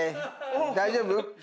大丈夫？